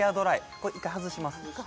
これ１回外します